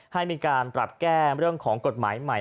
ให้มีการปรับแก้เรื่องของกฎหมายใหม่